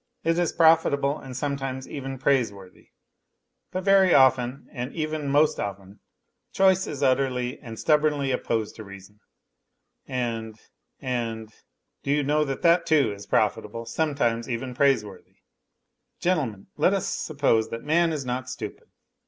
It is profitable and sometimes even praiseworthy. But very often, and even most often, choice is utterly and 72 NOTES FROM UNDERGROUND stubbornly opposed to reason ... and ... and ... do you know that that, too, is profitable, sometimes even praise worthy? Gentlemen, let us suppose that man is not stupid.